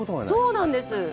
そうなんです。